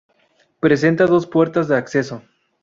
Presenta dos puertas de acceso.